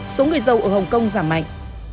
số người giàu ở hồng kông giảm mạnh